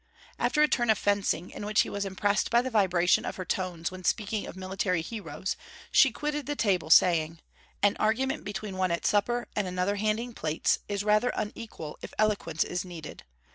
After a turn of fencing, in which he was impressed by the vibration of her tones when speaking of military heroes, she quitted the table, saying: 'An argument between one at supper and another handing plates, is rather unequal if eloquence is needed.